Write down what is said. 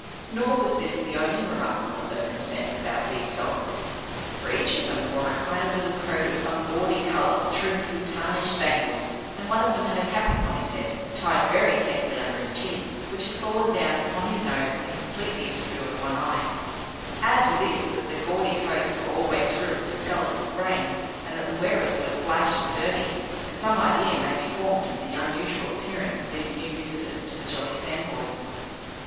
Nor was this the only remarkable circumstance about these dogs, for each of them wore a kind of little coat of some gaudy colour trimmed with tarnished spangles, and one of them had a cap upon his head, tied very carefully under his chin, which had fallen down upon his nose and completely obscured one eye; add to this, that the gaudy coats were all wet through and discoloured with rain, and that the wearers were splashed and dirty, and some idea may be formed of the unusual appearance of these new visitors to the Jolly Sandboys.